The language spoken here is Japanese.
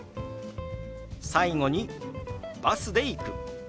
最後に「バスで行く」。